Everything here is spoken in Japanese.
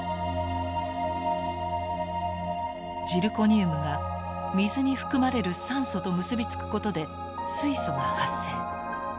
ジルコニウムが水に含まれる酸素と結び付くことで水素が発生。